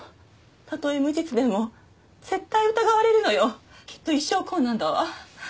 たとえ無実でも絶対疑われるのよきっと一生こうなんだわ